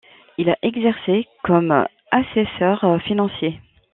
Il a exercé comme assesseur financier.